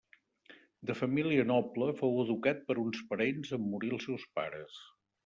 De família noble, fou educat per uns parents en morir els seus pares.